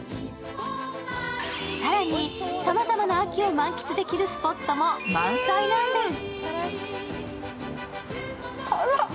更に、さまざまな秋を満喫できるスポットも満載なんです。